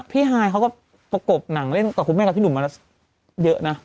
ฮายเขาก็ประกบหนังเล่นกับคุณแม่กับพี่หนุ่มมาแล้วเยอะนะ